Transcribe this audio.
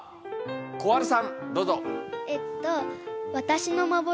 こはるさんどうぞ。